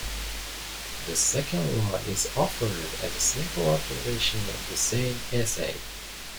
The second law is offered as a simple observation in the same essay.